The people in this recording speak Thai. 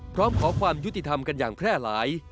พร้อมขอความยุติธรรมกันอย่างแพร่หลาย